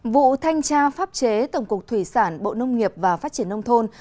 vụ thanh tra pháp chế tổng cục thủy sản bộ nông nghiệp và phát triển nông thôn